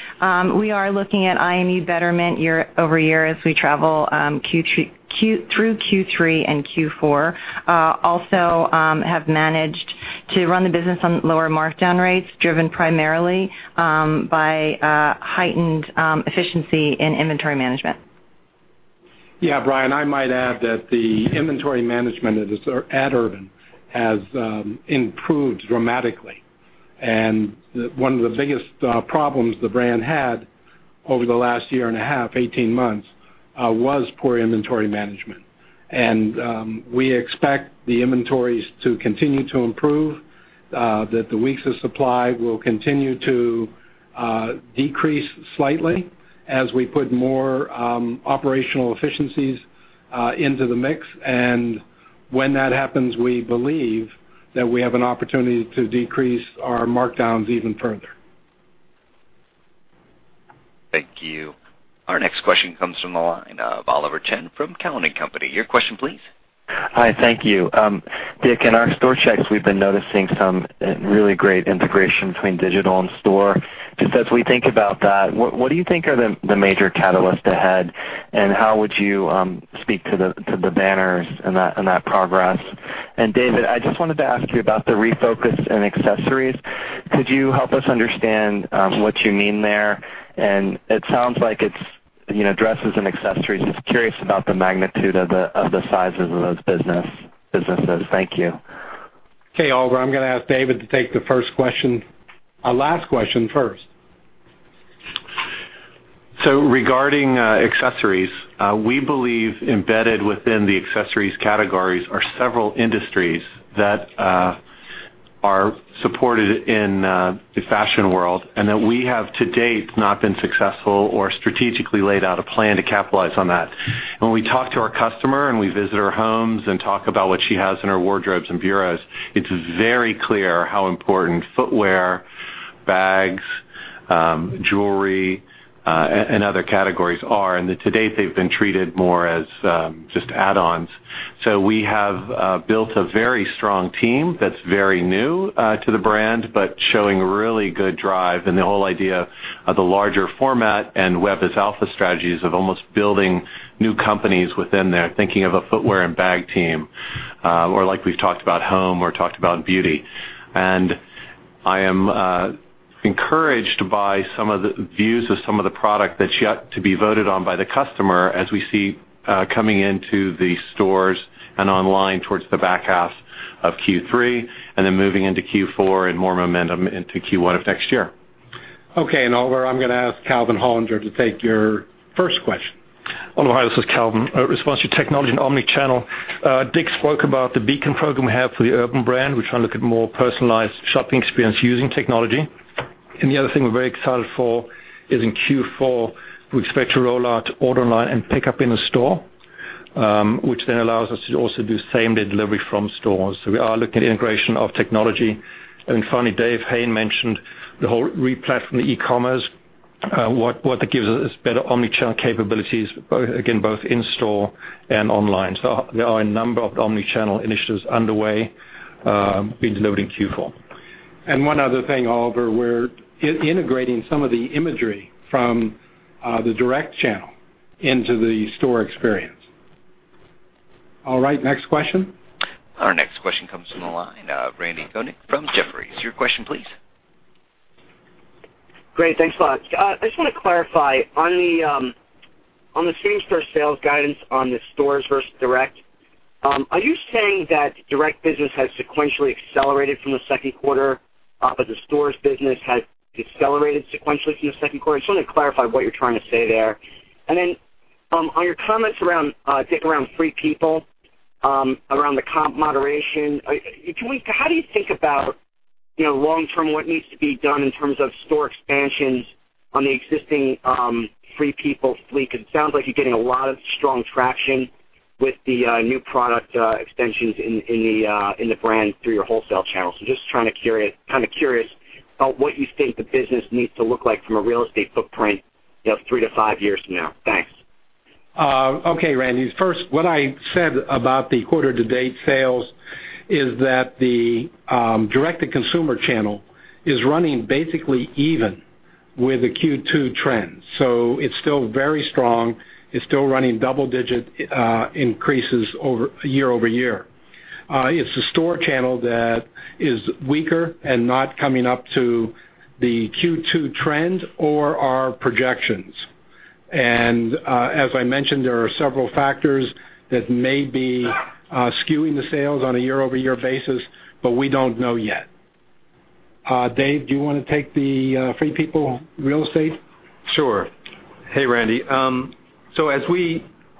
we are looking at IMU betterment year-over-year as we travel through Q3 and Q4. Also have managed to run the business on lower markdown rates, driven primarily by heightened efficiency in inventory management. Yeah, Brian, I might add that the inventory management at Urban has improved dramatically. One of the biggest problems the brand had over the last year and a half, 18 months, was poor inventory management. We expect the inventories to continue to improve, that the weeks of supply will continue to decrease slightly as we put more operational efficiencies into the mix. When that happens, we believe that we have an opportunity to decrease our markdowns even further. Thank you. Our next question comes from the line of Oliver Chen from Cowen and Company. Your question, please. Hi, thank you. Dick, in our store checks, we've been noticing some really great integration between digital and store. Just as we think about that, what do you think are the major catalysts ahead, and how would you speak to the banners in that progress? David, I just wanted to ask you about the refocus in accessories. Could you help us understand what you mean there? It sounds like it's dresses and accessories. Just curious about the magnitude of the sizes of those businesses. Thank you. Okay. Oliver, I'm going to ask David to take the last question first. Regarding accessories, we believe embedded within the accessories categories are several industries that are supported in the fashion world, and that we have to date not been successful or strategically laid out a plan to capitalize on that. When we talk to our customer, and we visit our homes and talk about what she has in her wardrobes and bureaus, it's very clear how important footwear, bags, jewelry, and other categories are. To date, they've been treated more as just add-ons. We have built a very strong team that's very new to the brand, but showing really good drive. The whole idea of the larger format and Web as alpha strategies of almost building new companies within there, thinking of a footwear and bag team, or like we've talked about home or talked about beauty. I am encouraged by some of the views of some of the product that's yet to be voted on by the customer as we see coming into the stores and online towards the back half of Q3, moving into Q4 and more momentum into Q1 of next year. Okay. Oliver, I'm going to ask Calvin Hollinger to take your first question. Oliver, hi, this is Calvin. In response to technology and omnichannel, Dick spoke about the Beacon program we have for the Urban brand. We're trying to look at more personalized shopping experience using technology. The other thing we're very excited for is in Q4, we expect to roll out order online and pick up in a store, which then allows us to also do same-day delivery from stores. We are looking at integration of technology. Finally, Dave Hayne mentioned the whole re-platform e-commerce. What that gives us is better omnichannel capabilities, again, both in store and online. There are a number of omnichannel initiatives underway being delivered in Q4. One other thing, Oliver, we're integrating some of the imagery from the direct channel into the store experience. All right, next question. Our next question comes from the line of Randy Konik from Jefferies. Your question please. Great. Thanks a lot. I just want to clarify on the same-store sales guidance on the stores versus direct. Are you saying that direct business has sequentially accelerated from the second quarter, but the stores business has decelerated sequentially from the second quarter? Just want to clarify what you're trying to say there. On your comments, Dick, around Free People, around the comp moderation, how do you think about long term, what needs to be done in terms of store expansions on the existing Free People fleet? Because it sounds like you're getting a lot of strong traction with the new product extensions in the brand through your wholesale channels. Just kind of curious about what you think the business needs to look like from a real estate footprint three to five years from now. Thanks. Okay, Randy. First, what I said about the quarter to date sales is that the direct-to-consumer channel is running basically even with the Q2 trends. It's still very strong. It's still running double-digit increases year-over-year. It's the store channel that is weaker and not coming up to the Q2 trend or our projections. As I mentioned, there are several factors that may be skewing the sales on a year-over-year basis, but we don't know yet. Dave, do you want to take the Free People real estate? Sure. Hey, Randy.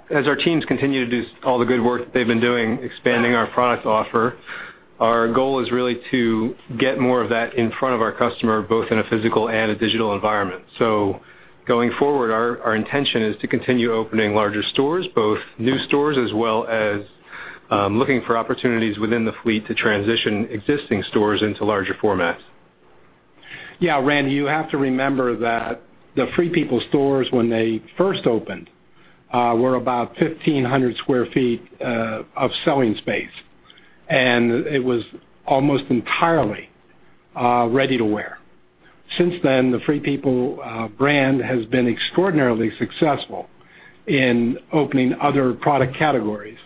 As our teams continue to do all the good work that they've been doing expanding our product offer, our goal is really to get more of that in front of our customer, both in a physical and a digital environment. Going forward, our intention is to continue opening larger stores, both new stores as well as looking for opportunities within the fleet to transition existing stores into larger formats. Randy, you have to remember that the Free People stores, when they first opened, were about 1,500 sq ft of selling space, and it was almost entirely ready-to-wear. Since then, the Free People brand has been extraordinarily successful in opening other product categories,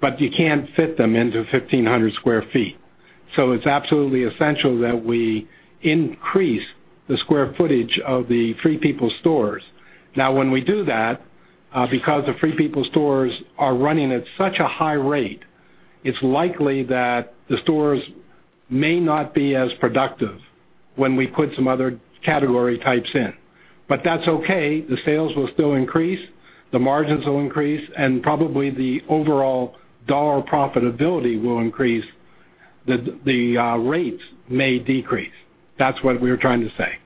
but you can't fit them into 1,500 sq ft. It's absolutely essential that we increase the square footage of the Free People stores. When we do that, because the Free People stores are running at such a high rate, it's likely that the stores may not be as productive when we put some other category types in. That's okay. The sales will still increase, the margins will increase, and probably the overall dollar profitability will increase. The rates may decrease. That's what we were trying to say.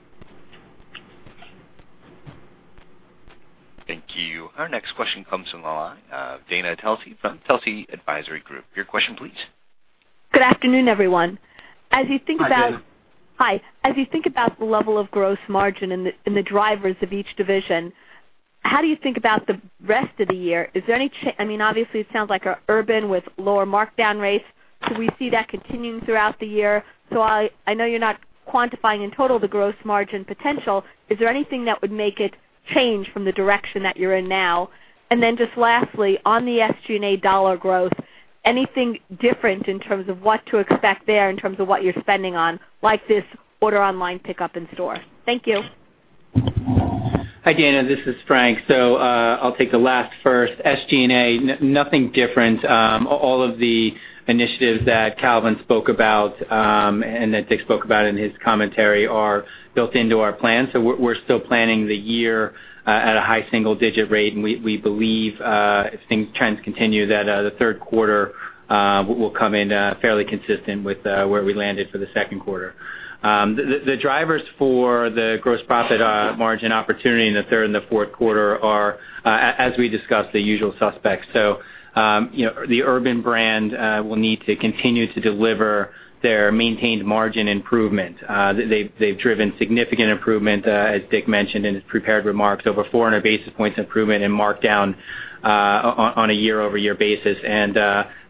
Thank you. Our next question comes from the line of Dana Telsey from Telsey Advisory Group. Your question, please. Good afternoon, everyone. Hi, Dana. Hi. As you think about the level of gross margin and the drivers of each division, how do you think about the rest of the year? Obviously, it sounds like our Urban with lower markdown rates. Could we see that continuing throughout the year? I know you're not quantifying in total the gross margin potential. Is there anything that would make it change from the direction that you're in now? Just lastly, on the SG&A dollar growth, anything different in terms of what to expect there in terms of what you're spending on, like this order online pick up in store? Thank you. Hi, Dana. This is Frank. I'll take the last first. SG&A, nothing different. All of the initiatives that Calvin spoke about and that Dick spoke about in his commentary are built into our plan. We're still planning the year at a high single-digit rate, and we believe as trends continue, that the third quarter will come in fairly consistent with where we landed for the second quarter. The drivers for the gross profit margin opportunity in the third and the fourth quarter are, as we discussed, the usual suspects. The Urban brand will need to continue to deliver their maintained margin improvement. They've driven significant improvement, as Dick mentioned in his prepared remarks, over 400 basis points improvement in markdown on a year-over-year basis, and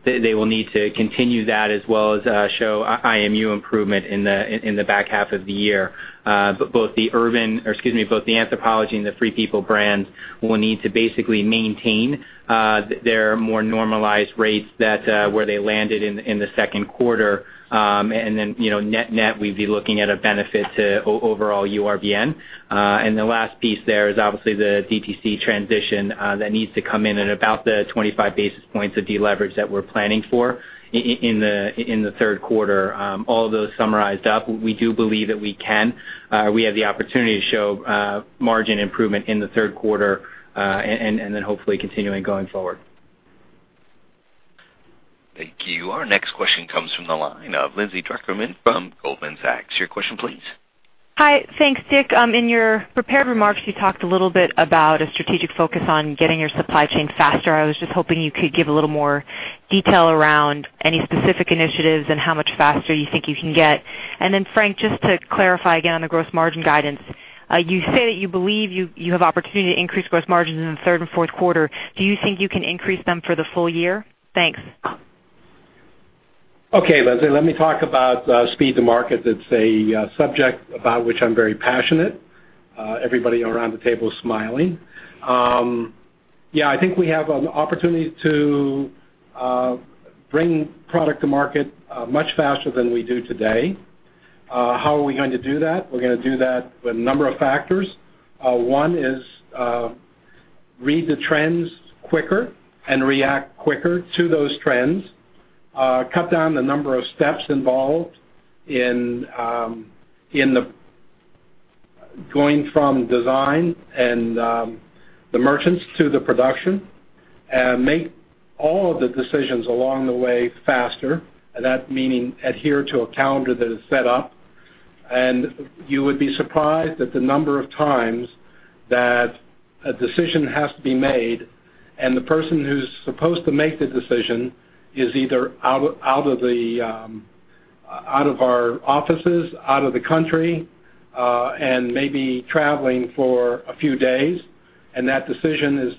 they will need to continue that as well as show IMU improvement in the back half of the year. Both the Anthropologie and the Free People brands will need to basically maintain their more normalized rates where they landed in the second quarter. Net-net, we'd be looking at a benefit to overall URBN. The last piece there is obviously the DTC transition that needs to come in at about the 25 basis points of deleverage that we're planning for in the third quarter. All those summarized up, we do believe that we have the opportunity to show margin improvement in the third quarter, and then hopefully continuing going forward. Thank you. Our next question comes from the line of Lindsay Drucker Mann from Goldman Sachs. Your question please. Hi. Thanks, Dick. In your prepared remarks, you talked a little bit about a strategic focus on getting your supply chain faster. I was just hoping you could give a little more detail around any specific initiatives and how much faster you think you can get. Frank, just to clarify again on the gross margin guidance, you say that you believe you have opportunity to increase gross margins in the third and fourth quarter. Do you think you can increase them for the full year? Thanks. Okay, Lindsay, let me talk about speed to market. That's a subject about which I'm very passionate. Everybody around the table is smiling. Yeah, I think we have an opportunity to bring product to market much faster than we do today. How are we going to do that? We're going to do that with a number of factors. One is read the trends quicker and react quicker to those trends. Cut down the number of steps involved in going from design and the merchants to the production, and make all of the decisions along the way faster, and that meaning adhere to a calendar that is set up. You would be surprised at the number of times that a decision has to be made, and the person who's supposed to make the decision is either out of our offices, out of the country, and maybe traveling for a few days, and that decision is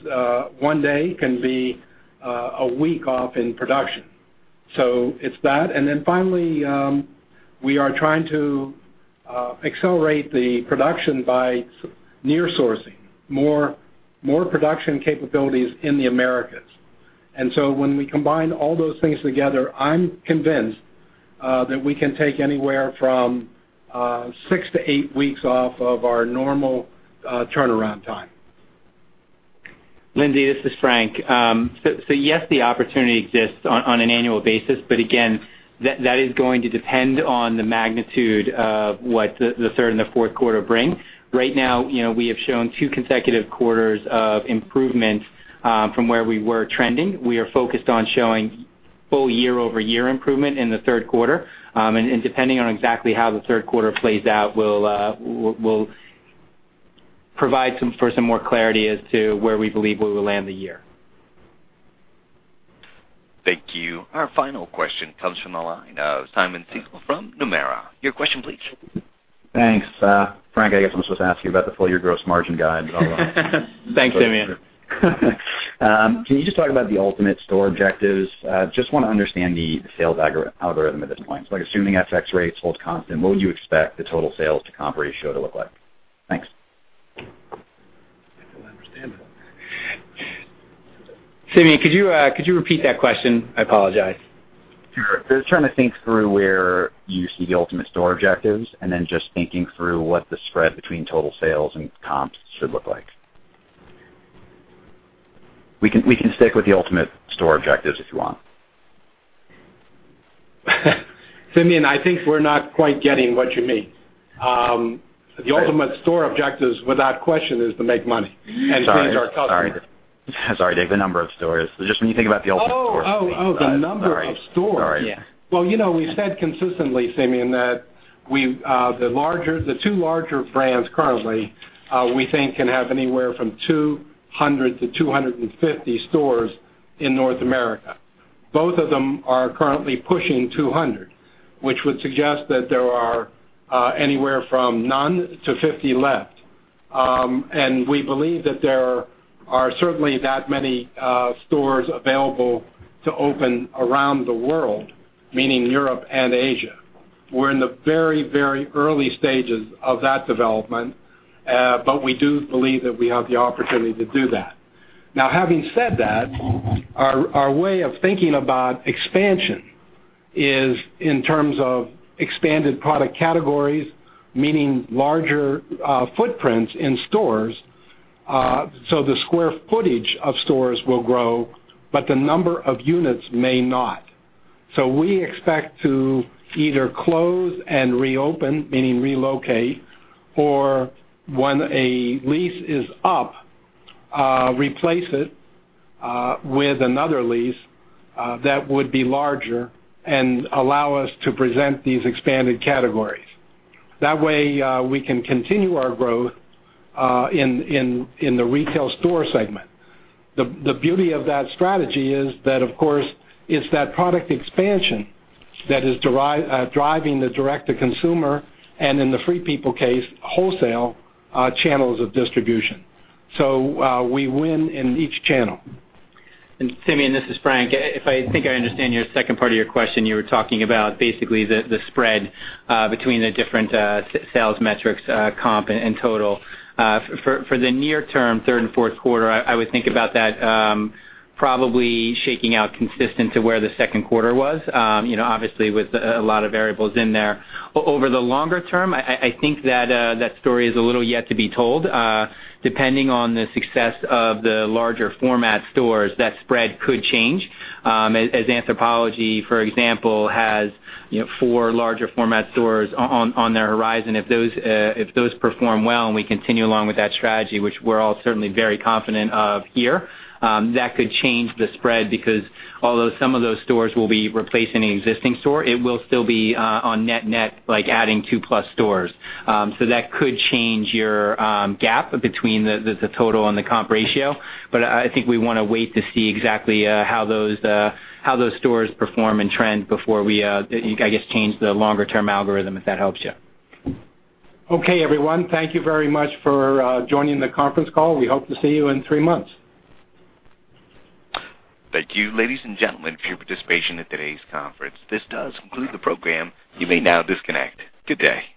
one day can be a week off in production. It's that, finally, we are trying to accelerate the production by near sourcing. More production capabilities in the Americas. When we combine all those things together, I'm convinced that we can take anywhere from six to eight weeks off of our normal turnaround time. Lindsay, this is Frank. Yes, the opportunity exists on an annual basis, but again, that is going to depend on the magnitude of what the third and the fourth quarter bring. Right now, we have shown two consecutive quarters of improvement from where we were trending. We are focused on showing full year-over-year improvement in the third quarter. Depending on exactly how the third quarter plays out, we'll provide for some more clarity as to where we believe we will land the year. Thank you. Our final question comes from the line of Simeon Siegel from Nomura. Your question please. Thanks. Frank, I guess I'm supposed to ask you about the full year gross margin guide. Thanks, Simeon. Can you just talk about the ultimate store objectives? Just want to understand the sales algorithm at this point. Like assuming FX rates hold constant, what would you expect the total sales to comp ratio to look like? Thanks. I don't understand that. Simeon, could you repeat that question? I apologize. Sure. Just trying to think through where you see the ultimate store objectives, and then just thinking through what the spread between total sales and comps should look like. We can stick with the ultimate store objectives if you want. Simeon, I think we're not quite getting what you mean. The ultimate store objectives, without question, is to make money and please our customers. Sorry, Dick. The number of stores. Just when you think about the ultimate stores. Oh. The number of stores. Sorry. Yeah. Well, we've said consistently, Simeon, that the two larger brands currently, we think can have anywhere from 200 to 250 stores in North America. Both of them are currently pushing 200, which would suggest that there are anywhere from none to 50 left. We believe that there are certainly that many stores available to open around the world, meaning Europe and Asia. We're in the very early stages of that development. We do believe that we have the opportunity to do that. Now, having said that, our way of thinking about expansion is in terms of expanded product categories, meaning larger footprints in stores. The square footage of stores will grow, but the number of units may not. We expect to either close and reopen, meaning relocate, or when a lease is up, replace it with another lease that would be larger and allow us to present these expanded categories. That way, we can continue our growth in the retail store segment. The beauty of that strategy is that, of course, it's that product expansion that is driving the direct-to-consumer, and in the Free People case, wholesale channels of distribution. We win in each channel. Simeon, this is Frank. If I think I understand your second part of your question, you were talking about basically the spread between the different sales metrics, comp and total. For the near term, third and fourth quarter, I would think about that probably shaking out consistent to where the second quarter was. Obviously, with a lot of variables in there. Over the longer term, I think that story is a little yet to be told. Depending on the success of the larger format stores, that spread could change. As Anthropologie, for example, has 4 larger format stores on their horizon. If those perform well and we continue along with that strategy, which we're all certainly very confident of here, that could change the spread because although some of those stores will be replacing an existing store, it will still be on net like adding 2 plus stores. That could change your gap between the total and the comp ratio. I think we want to wait to see exactly how those stores perform and trend before we, I guess, change the longer term algorithm, if that helps you. Okay, everyone. Thank you very much for joining the conference call. We hope to see you in three months. Thank you, ladies and gentlemen, for your participation in today's conference. This does conclude the program. You may now disconnect. Good day.